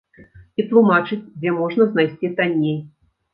І тлумачыць, дзе можна знайсці танней.